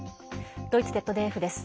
ドイツＺＤＦです。